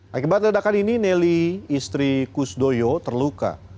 dan akibat ledakan ini nelly istri kus doyo terluka